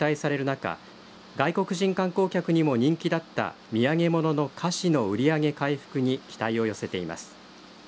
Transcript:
中外国人観光客にも人気だった土産物の菓子の売り上げ回復に期待を寄せています。